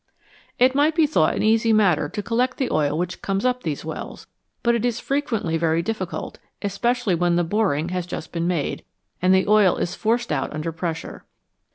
It might be thought an easy matter to collect the oil which comes up these wells, but it is frequently very difficult, especially when the boring has just been made, and the oil is forced out under pressure.